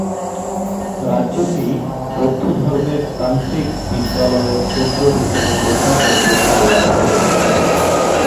রাজ্যটি বৌদ্ধ ধর্মের তান্ত্রিক বিদ্যালয়ের কেন্দ্র হিসাবে প্রচার ও প্রসার লাভ করেছিল।